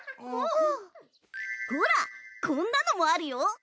ほらこんなのもあるよ。